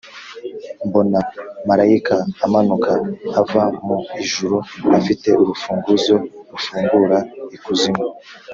Mbona marayika amanuka ava mu ijuru afite urufunguzo rufungura ikuzimu,